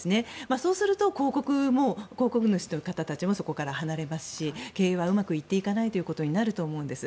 そうすると、広告も広告主の方たちもそこから離れますし経営はうまくいかないということになると思うんです。